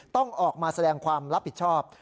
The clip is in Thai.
ต้องออกมาแสดงความรับผิดชอบ